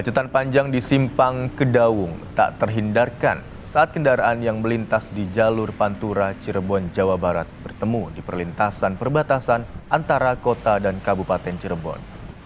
kemacetan panjang di simpang kedaung tak terhindarkan saat kendaraan yang melintas di jalur pantura cirebon jawa barat bertemu di perlintasan perbatasan antara kota dan kabupaten cirebon